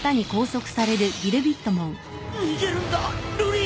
逃げるんだ瑠璃！